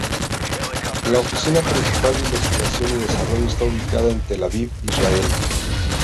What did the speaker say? La oficina principal de investigación y desarrollo está ubicada en Tel Aviv, Israel.